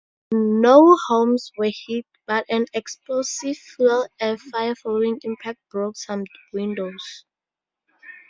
No homes were hit, but an explosive fuel-air fire following impact broke some windows.